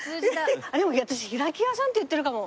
あっでも私開き屋さんって言ってるかも。